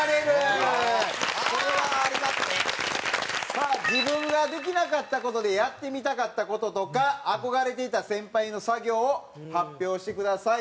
さあ自分ができなかった事でやってみたかった事とか憧れていた先輩の作業を発表してください。